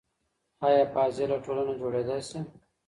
آیا فاضله ټولنه جوړیدای سي؟